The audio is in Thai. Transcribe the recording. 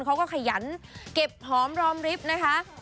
เขาก็ขยันเก็บพร้อมรอบริฟท์นะคะ